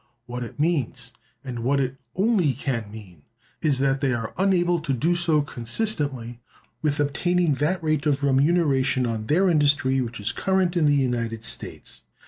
What it means, and what it only can mean, is that they are unable to do so consistently with obtaining that rate of remuneration on their industry which is current in the United States.